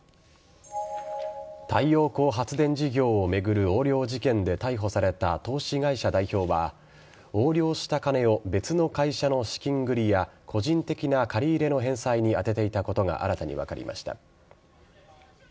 太陽光発電事業を巡る横領事件で逮捕された投資会社代表は横領した金を別の会社の資金繰りや個人的な借り入れの返済に充てていたことが新たに分かりました。